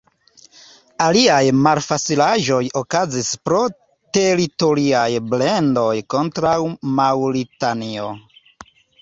Aliaj malfacilaĵoj okazis pro teritoriaj plendoj kontraŭ Maŭritanio.